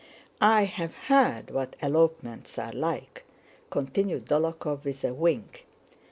I have heard what elopements are like," continued Dólokhov with a wink.